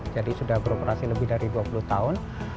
jadi sudah beroperasi lebih dari dua puluh tahun